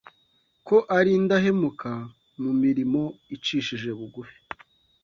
ko ari indahemuka mu mirimo icishije bugufi,